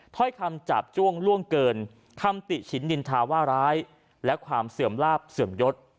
ถ้อยคำจาบจ้วงล่วงเกินคำติฉินนินทาว่าร้ายและความเสื่อมลาบเสื่อมยศ